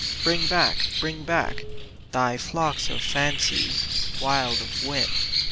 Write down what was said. Bring back, bring back Thy flocks of fancies, wild of whim.